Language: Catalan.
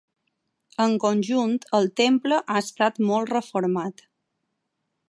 En conjunt el temple ha estat molt reformat.